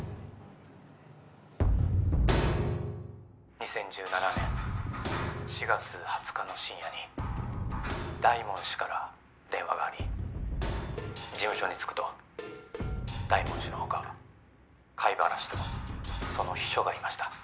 ２０１７年４月２０日の深夜に大門氏から電話があり事務所に着くと大門氏の他貝原氏とその秘書がいました。